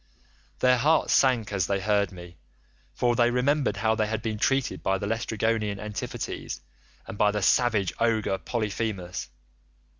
"Their hearts sank as they heard me, for they remembered how they had been treated by the Laestrygonian Antiphates, and by the savage ogre Polyphemus.